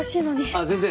あっ全然。